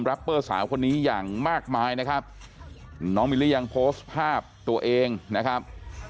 เปอร์สาวคนนี้อย่างมากมายนะครับน้องมิลลี่ยังโพสต์ภาพตัวเองนะครับ